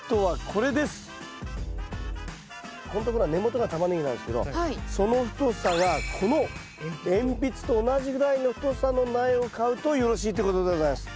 ここんところが根元がタマネギなんですけどその太さがこの鉛筆と同じぐらいの太さの苗を買うとよろしいってことでございます。